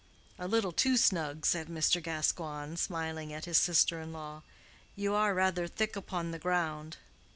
"A little too snug," said Mr. Gascoigne, smiling at his sister in law. "You are rather thick upon the ground."